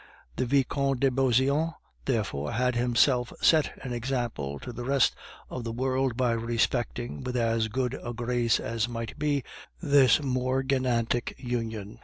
The Vicomte de Beauseant, therefore, had himself set an example to the rest of the world by respecting, with as good a grace as might be, this morganatic union.